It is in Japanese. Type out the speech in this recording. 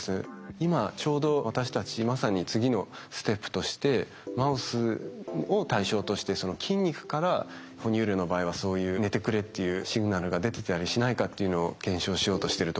今ちょうど私たちまさに次のステップとしてマウスを対象としてその筋肉から哺乳類の場合はそういう「寝てくれ」っていうシグナルが出てたりしないかっていうのを検証しようとしてるところです。